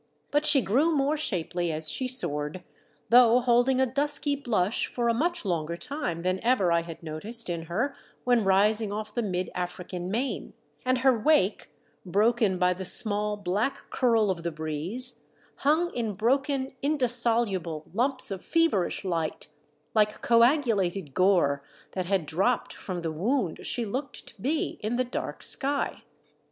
But she grew more shapely as she soared, though holding a dusky blush for a much longer time than ever I had noticed in her when rising off the mid African main ; and her wake, broken by the small, black curl of the breeze, hung in broken indissoluble lumps of feverish light, like coagulated gore that had dropped from the wound she looked to be in the dark sky.